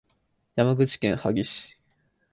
山口県萩市